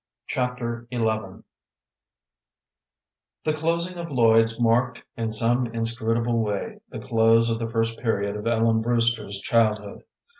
Chapter XI The closing of Lloyd's marked, in some inscrutable way, the close of the first period of Ellen Brewster's childhood.